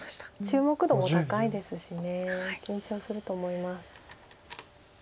注目度も高いですし緊張すると思います。